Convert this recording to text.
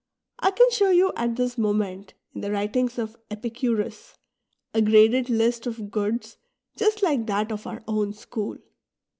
I can show you at this moment in the writings of Epicurus " a graded list of goods just like that of our own school.